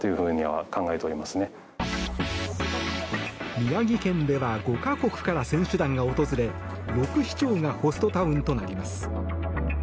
宮城県では５か国から選手団が訪れ６市町がホストタウンとなります。